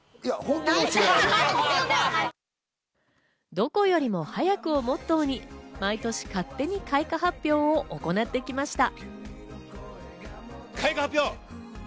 どこよりも早くをモットーに毎年、勝手に開花発表を行ってきました。